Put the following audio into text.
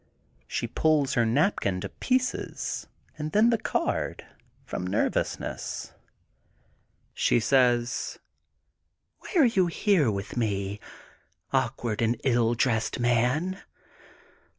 She pulls her napkin to pieces and then the card, from nervousness. She says: — Why are you here with me, awkward and ill dressed man!